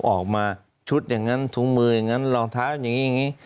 ออกมาชุดอย่างนั้นถุงมืออย่างนั้นรองเท้าอย่างนี้อย่างนี้